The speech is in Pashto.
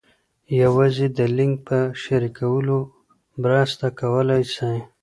یوازې د لینک په شریکولو مرسته کولای سئ.